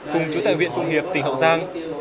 cùng trú tại huyện phụng hiệp tỉnh hậu giang